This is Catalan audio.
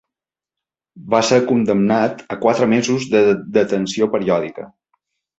Va ser condemnat a quatre mesos de detenció periòdica.